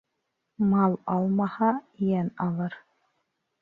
Мал алмаһа, йән алыр.